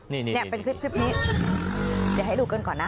นี่เป็นคลิปนี้เดี๋ยวให้ดูกันก่อนนะ